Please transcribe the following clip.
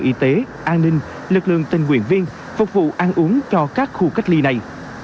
y tế an ninh lực lượng tình nguyện viên phục vụ ăn uống cho các khu cách ly này